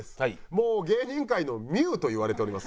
もう「芸人界のミュウ」と言われております。